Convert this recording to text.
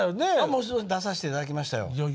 もちろん出させていただきましたよ。